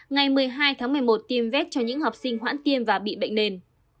ngày một mươi hai tháng một mươi một tiêm vét cho những học sinh hoãn tiêm và bị bệnh nền